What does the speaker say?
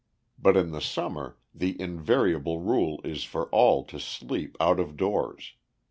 But in the summer the invariable rule is for all to sleep out of doors.